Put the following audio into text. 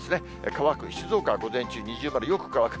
乾く、静岡は午前中、二重丸、よく乾く。